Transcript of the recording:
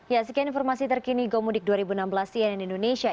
ya sekian informasi terkini gomudik dua ribu enam belas cnn indonesia